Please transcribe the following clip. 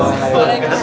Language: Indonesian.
selamat ulang tahun